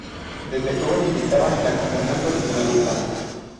Desde joven militaba en la Comunión Tradicionalista.